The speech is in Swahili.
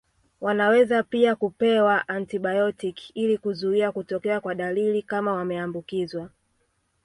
Wanaweza pia kupewa antibayotiki ili kuzuia kutokea kwa dalili kama wameambukizwa